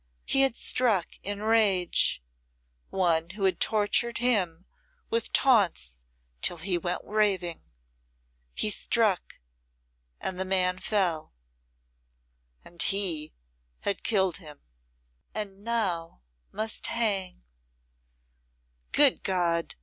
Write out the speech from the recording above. He had struck in rage one who had tortured him with taunts till he went raving. He struck, and the man fell and he had killed him! And now must hang." "Good God!"